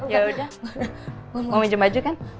yaudah mau pinjem baju kan